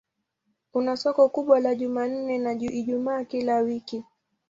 Kuna soko kubwa la Jumanne na Ijumaa kila wiki.